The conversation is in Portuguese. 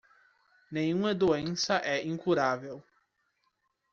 Nenhuma doença é incurável